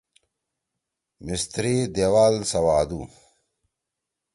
مِستری دیوال سوادُو۔